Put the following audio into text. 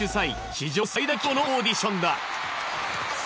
史上最大規模のオーディションだ。